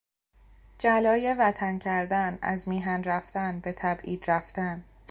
جلای وطن کردن، از میهن رفتن، به تبعید رفتن